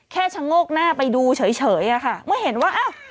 ชะโงกหน้าไปดูเฉยอะค่ะเมื่อเห็นว่าอ้าว